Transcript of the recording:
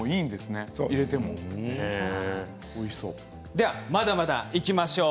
ではまだまだいきましょう。